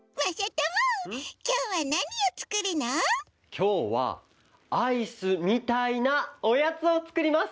きょうはアイスみたいなおやつをつくります！